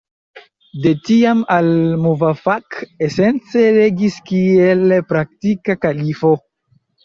De tiam, al-Muvafak esence regis kiel praktika kalifo.